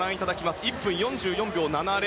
１分４４秒７０。